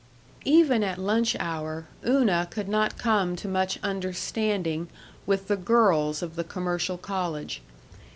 Even at lunch hour Una could not come to much understanding with the girls of the commercial college.